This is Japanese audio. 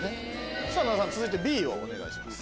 続いてＢをお願いします。